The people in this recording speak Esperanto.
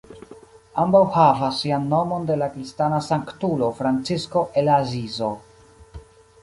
Ambaŭ havas sian nomon de la kristana sanktulo Francisko el Asizo.